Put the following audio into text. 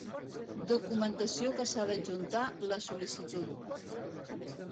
Documentació que s'ha d'adjuntar la sol·licitud.